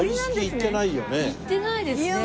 行ってないですね。